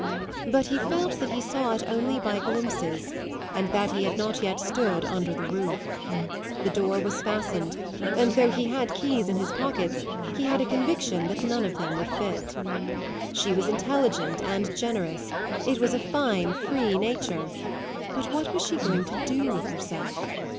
But he felt that he saw it only by glimpses and that he had not yet stood under the roof. The door was fastened, and though he had keys in his pocket he had a conviction that none of them would fit. She was intelligent and generous; it was a fine free nature; but what was she going to do with herself?